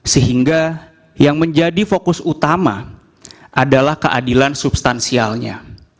sehingga yang menjadi fokus utama adalah keadilan substansialnya